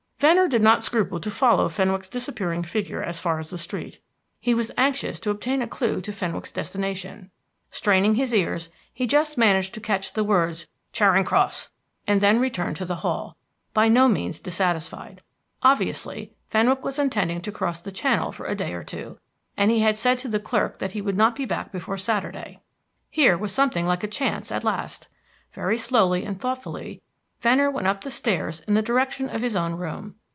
Venner did not scruple to follow Fenwick's disappearing figure as far as the street. He was anxious to obtain a clue to Fenwick's destination. Straining his ears, he just managed to catch the words "Charing Cross," and then returned to the hall, by no means dissatisfied. Obviously, Fenwick was intending to cross the Channel for a day or two, and he had said to the clerk that he would not be back before Saturday. Here was something like a chance at last. Very slowly and thoughtfully, Venner went up the stairs in the direction of his own room.